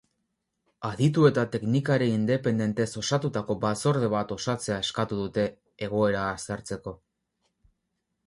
Aditu eta teknikari independentez osatutako batzorde bat osatzea eskatu dute, egoera aztertzeko.